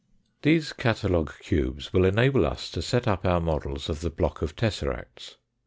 These catalogue cubes will enable us to set up our models of the block of tesseracts.